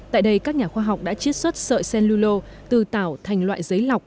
tại đây các nhà khoa học đã chiết xuất sợi cenulo từ tảo thành loại giấy lọc